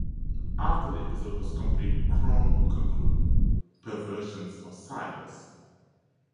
After the episode was complete, Chrome would conclude "Perversions of Science".